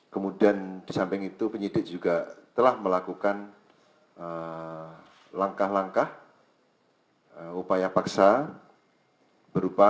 kemudian di samping itu penyidik juga telah melakukan langkah langkah upaya paksa berupa